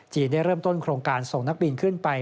ได้เริ่มต้นโครงการส่งนักบินขึ้นไป